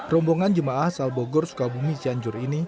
rombongan jemaah sal bogor sukalbumi cianjur ini